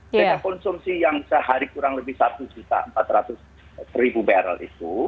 sehingga konsumsi yang sehari kurang lebih satu empat ratus barrel itu